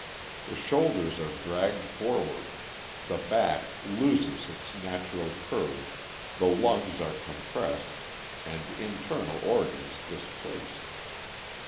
The shoulders are dragged forward, the back loses its natural curve, the lungs are compressed, and internal organs displaced.